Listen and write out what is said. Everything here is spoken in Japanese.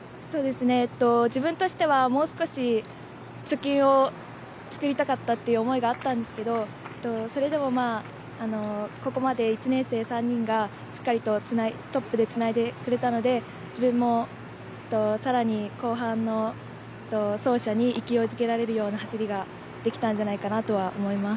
自分としてはもう少し貯金をつくりたかったという思いだったんですけどそれでもここまで１年生３人がしっかりとトップでつないでくれたので自分も、さらに後半の走者に勢いづけられるような走りができたんじゃないかなとは思います。